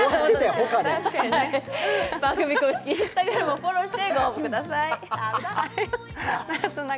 番組公式Ｉｎｓｔａｇｒａｍをフォローしてお申し込みください。